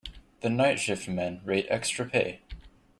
The night shift men rate extra pay.